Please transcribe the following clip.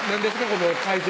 この会場